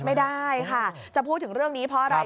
ไม่ได้ค่ะจะพูดถึงเรื่องนี้เพราะอะไร